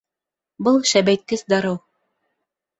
Был шәбәйткес дарыу